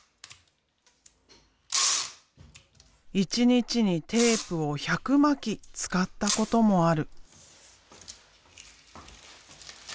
一日にテープを１００巻使ったこともある。